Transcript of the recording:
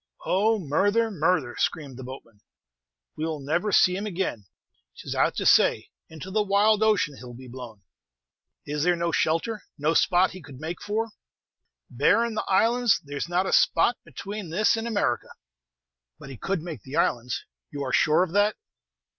"Oh, murther! murther!" screamed the boatman; "we 'll never see him again. 'T is out to say, into the wild ocean, he'll be blown!" "Is there no shelter, no spot he could make for?" "Barrin' the islands, there's not a spot between this and America." "But he could make the islands, you are sure of that?"